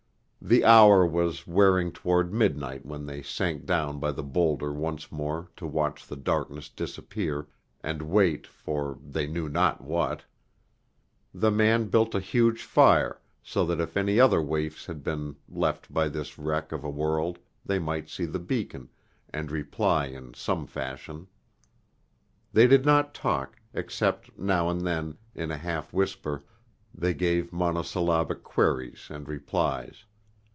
The hour was wearing toward midnight when they sank down by the boulder once more to watch the darkness disappear, and wait for they knew not what. The man built a huge fire, so that if any other waifs had been left by this wreck of a world they might see the beacon, and reply in some fashion. They did not talk, except now and then, in a half whisper, they gave monosyllabic queries and replies.